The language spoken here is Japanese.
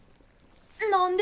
何で？